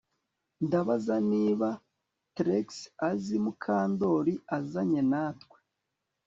Ndabaza niba Trix azi Mukandoli azanye natwe